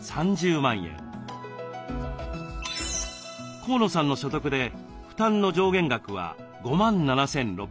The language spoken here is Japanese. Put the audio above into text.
河野さんの所得で負担の上限額は５万７，６００円。